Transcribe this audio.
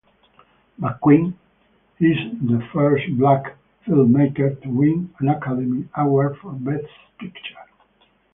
McQueen is the first black filmmaker to win an Academy Award for Best Picture.